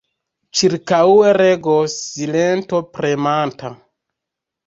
Ĉirkaŭe regos silento premanta.